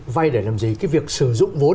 vây để làm gì cái việc sử dụng vốn